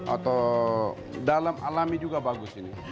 atau dalam alami juga bagus ini